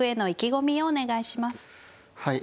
はい。